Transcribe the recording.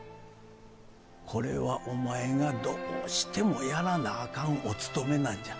これはお前がどうしてもやらなあかんおつとめなんじゃ。